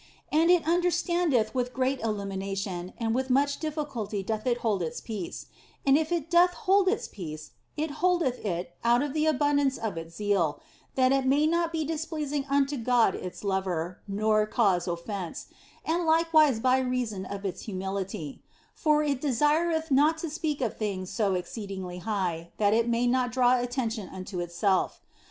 And it understandeth with great illumination, and with much difficulty doth it hold its peace ; and if it doth hold its peace, it holdeth it out of the abundance of its zeal, that it may not be displeasing unto God its Lover nor cause offence, and likewise by reason of its humility ; for it desireth not to speak of things so exceeding high that it may not draw attention unto itself.